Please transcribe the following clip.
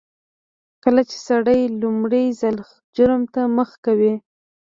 کله چې سړی لومړي ځل جرم ته مخه کوي